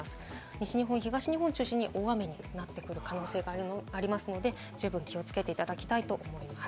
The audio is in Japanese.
西日本、東日本を中心に大雨になってくる可能性がありますので、気をつけていただきたいと思います。